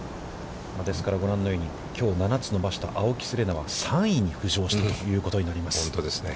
ですから、ご覧のようにきょう７つ伸ばした青木瀬令奈は３位に浮上しているということになります。